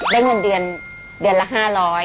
ได้เงินเดือนเดือนละ๕๐๐